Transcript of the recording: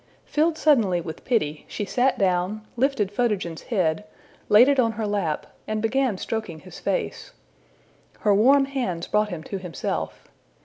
Filled suddenly with pity, she sat down, lifted Photogen's head, laid it on her lap, and began stroking his face. Her warm hands brought him to himself.